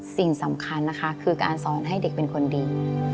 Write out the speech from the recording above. สิ่งสำคัญนะคะคือการสอนให้เด็กเป็นคนดี